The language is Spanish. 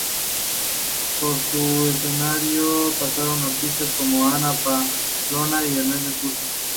Por su escenario pasaron artistas como Anna Pavlova y Enrico Caruso.